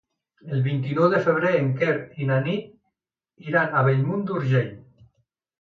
El vint-i-nou de febrer en Quer i na Nit iran a Bellmunt d'Urgell.